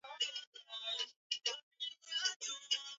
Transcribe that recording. tunaweza kuya kuya kuyazuia kabla hayajatokea